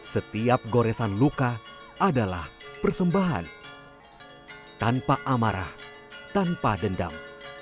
setiap goresan luka adalah persembahan tanpa amarah tanpa dendam